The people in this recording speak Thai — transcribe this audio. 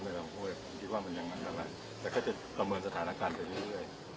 ทำไปแล้วคิดว่ามันยังมันอะไรแต่ก็จะประเมินสถานการณ์ไปเรื่อยเรื่อย